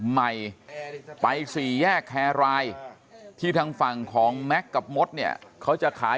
ใหม่ไปสี่แยกแครรายที่ทางฝั่งของแม็กซ์กับมดเนี่ยเขาจะขาย